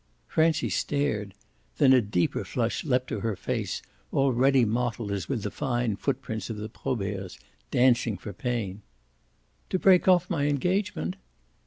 Francie stared; then a deeper flush leapt to her face, already mottled as with the fine footprints of the Proberts, dancing for pain. "To break off my engagement?"